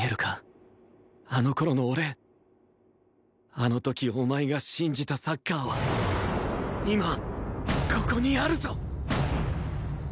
あの時お前が信じたサッカーは今ここにあるぞ！